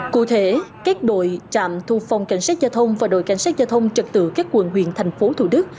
cụ thể các đội trạm thu phòng cảnh sát giao thông và đội cảnh sát giao thông trật tự các quận huyện thành phố thủ đức